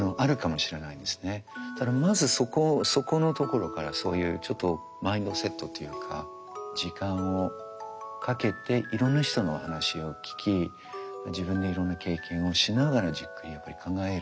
だからまずそこのところからそういうちょっとマインドセットというか時間をかけていろんな人のお話を聞き自分でいろんな経験をしながらじっくりやっぱり考える。